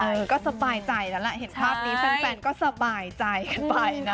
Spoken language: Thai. เออก็สบายใจแล้วแหละเห็นภาพนี้แฟนก็สบายใจกันไปนะ